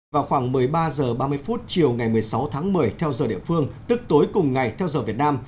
vào khoảng một mươi ba h ba mươi chiều ngày một mươi sáu tháng một mươi theo giờ địa phương tức tối cùng ngày theo giờ việt nam